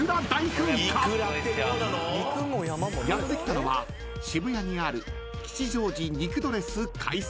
［やって来たのは渋谷にある］